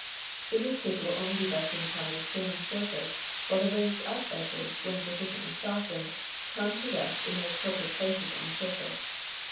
In this case it will only be resting upon a restraining surface while the raised up edges when sufficientlh softened come to rest in their appropriate places on that surface.